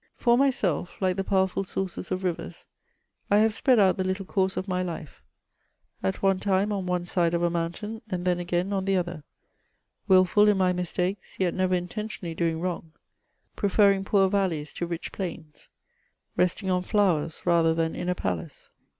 For myself, like the powerful sources of rivers, I have spread out the little course of my life ^ at one time on one side of a moun tain, and then again on the other — wilful in my mistakes, yet never intentionally doing wrong ; preferring poor valleys to rich plains — resting on flowers rather than in a palace.